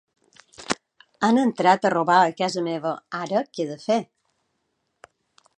Han entrat a robar a casa meva, ara que he de fer?